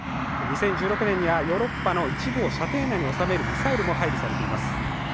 ２０１６年にはヨーロッパの一部を射程内に収めるミサイルも配備されています。